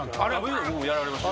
僕やられました。